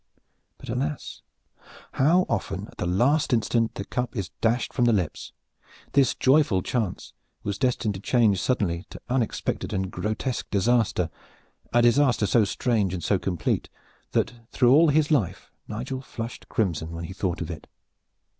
But alas! how often at the last instant the cup is dashed from the lips! This joyful chance was destined to change suddenly to unexpected and grotesque disaster disaster so strange and so complete that through all his life Nigel flushed crimson when he thought of it.